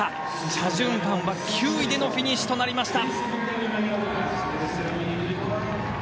チャ・ジュンファンは９位でのフィニッシュとなりました。